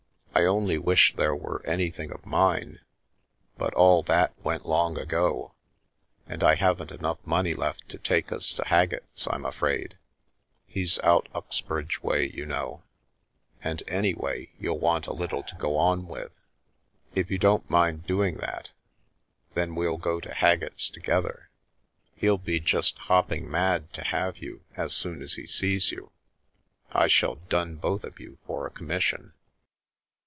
I only wish there were anything of mine, but all that went long ago, and I haven't enough money left to take us to Haggett's, I'm afraid. He's out Uxbridge way, you know, and anyway you'll want a little to go on with. If you don't mind doing that, then we'll go to Haggett's together. He'll be just hopping mad to have you as soon as he sees you. I shall dun both of you for a commission